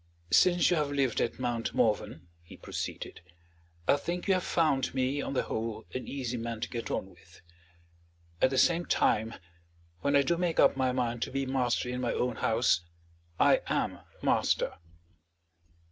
"Since you have lived at Mount Morven," he proceeded, "I think you have found me, on the whole, an easy man to get on with. At the same time, when I do make up my mind to be master in my own house, I am master."